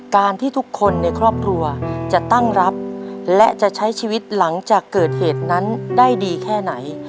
การที่ทุกคนในครอบครัวจะตั้งรับและจะใช้ชีวิตหลังจากเกิดเหตุนั้นได้ดีแค่ไหน